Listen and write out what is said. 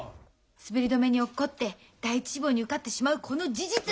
滑り止めに落っこって第一志望に受かってしまうこの事実。